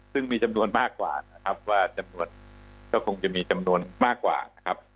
ซึ่งมีจำนวนมากกว่านะครับว่าจำนวนก็คงจะมีจำนวนมากกว่านะครับ